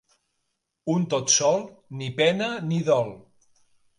Un tot sol, ni pena ni dol.